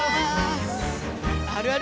あるある！